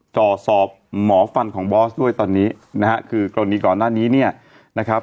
จ่อสอบหมอฟันของบอสด้วยตอนนี้นะฮะคือกรณีก่อนหน้านี้เนี่ยนะครับ